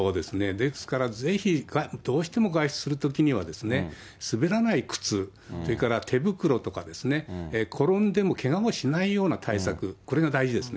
ですからぜひ、どうしても外出するときには、滑らない靴、それから手袋とかですね、転んでもけがをしないような対策、これが大事ですね。